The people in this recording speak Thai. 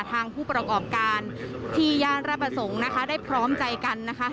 ทางผู้ประกอบการที่ย่านรับประสงค์นะคะได้พร้อมใจกันนะคะ